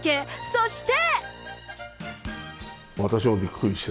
そして。